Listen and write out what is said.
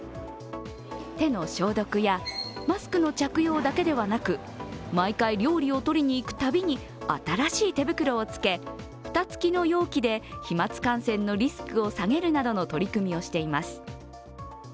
手の消毒やマスクの着用だけではなく毎回料理を取りに行くたびに新しい手袋を着け蓋つきの容器で飛まつ感染のリスクを下げるなどの取り組みをしています。